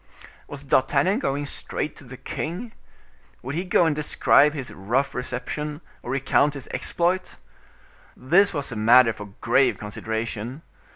Was D'Artagnan going straight to the king? Would he go and describe his rough reception, or recount his exploit? This was a matter for grave consideration.